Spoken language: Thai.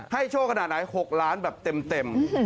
โชคขนาดไหน๖ล้านแบบเต็ม